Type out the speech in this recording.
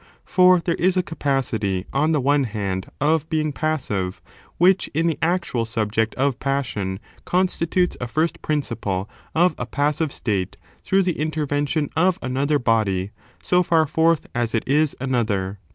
For there is a capacity, on the one hand, of being passive, which, in the actual subject of passion, constitutes a first principle of a passive state through the intervention of another body, so fiir forth as it is another.